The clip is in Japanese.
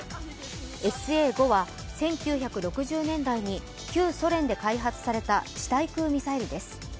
ＳＡ５は１９６０年代に旧ソ連で開発された地対空ミサイルです。